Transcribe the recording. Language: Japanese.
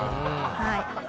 はい。